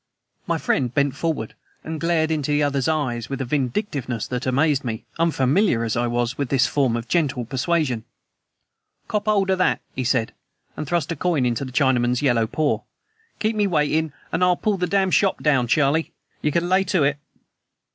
My friend bent forward and glared into the other's eyes with a vindictiveness that amazed me, unfamiliar as I was with this form of gentle persuasion. "Kop 'old o' that," he said, and thrust a coin into the Chinaman's yellow paw. "Keep me waitin' an' I'll pull the dam' shop down, Charlie. You can lay to it."